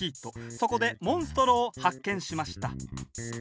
そこでモンストロを発見しました。